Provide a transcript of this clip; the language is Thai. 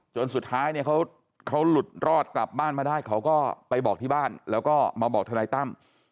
จนสุดท้ายเนี่ยเขาหลุดรอดกลับบ้านมาได้เขาก็ไปบอกที่บ้านแล้วก็มาบอกทนายตั้ม